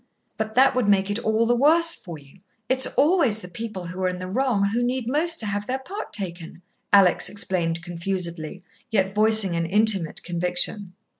"But that would make it all the worse for you. It's always the people who are in the wrong who need most to have their part taken," Alex explained confusedly, yet voicing an intimate conviction.